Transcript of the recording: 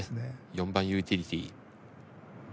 ４番ユーティリティ。